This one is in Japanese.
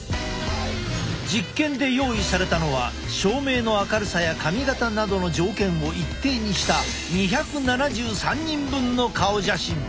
実験で用意されたのは照明の明るさや髪形などの条件を一定にした２７３人分の顔写真。